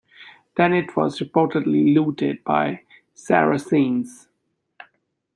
Then it was reportedly looted by Saracens.